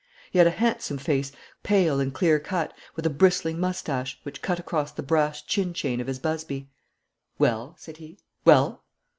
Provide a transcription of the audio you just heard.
He had a handsome face, pale and clear cut, with a bristling moustache, which cut across the brass chin chain of his busby. 'Well,' said he, 'well?'